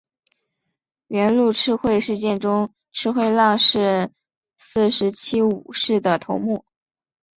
元禄赤穗事件中赤穗浪士四十七武士的头目。